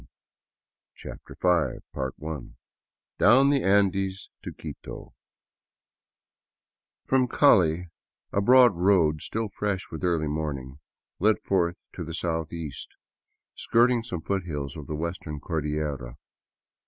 84 CHAPTER V DOWN THE ANDES TO QUITO FROM Cali a broad " road," still fresh with early morning, led forth to the southeast, skirting some foothills of the Western Cordillera.